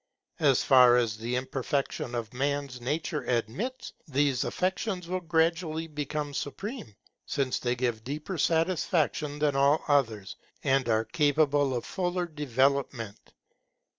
As far as the imperfection of man's nature admits, these affections will gradually become supreme, since they give deeper satisfaction than all others, and are capable of fuller development.